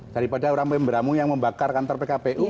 daripada orang pemberamu yang membakar kantor pkpu